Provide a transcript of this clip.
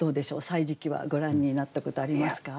「歳時記」はご覧になったことありますか？